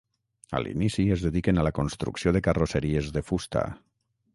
A l'inici, es dediquen a la construcció de carrosseries de fusta.